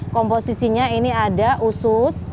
komposisinya ini ada usus